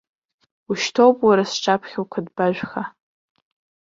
Ушьҭоуп уара сҿаԥхьа уқыдбажәха.